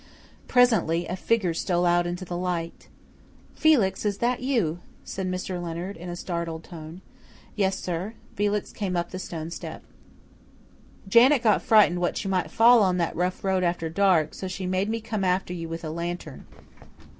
Presently a figure stole out into the light. "Felix, is that you?" said Mr. Leonard in a startled tone. "Yes, sir." Felix came up to the stone step. "Janet got frightened that you might fall on that rough road after dark, so she made me come after you with a lantern.